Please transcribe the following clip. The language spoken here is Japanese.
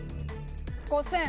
５０００。